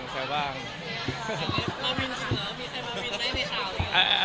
มีใครมาวินในข่าว